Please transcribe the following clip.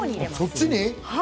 そっちに？